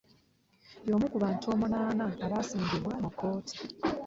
Y'omu ku bantu omunaana abaasimbibwa mu kkooti